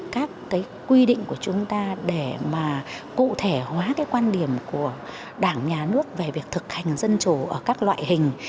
các cái quy định của chúng ta để mà cụ thể hóa cái quan điểm của đảng nhà nước về việc thực hành dân chủ ở các loại hình